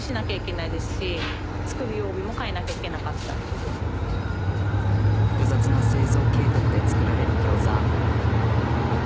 もちろん複雑な製造計画で作られるギョーザ。